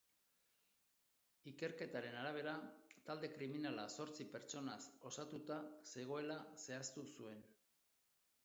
Ikerketaren arabera, talde kriminala zortzi pertsonaz osatuta zegoela zehaztu zuen.